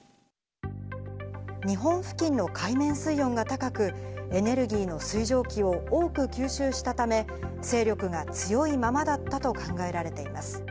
日本付近の海面水温が高く、エネルギーの水蒸気を多く吸収したため、勢力が強いままだったと考えられています。